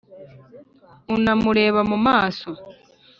unamureba mu maso.